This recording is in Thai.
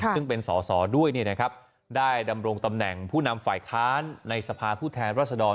ซึ่งเป็นสอสอด้วยได้ดำรงตำแหน่งผู้นำฝ่ายค้านในสภาผู้แทนรัศดร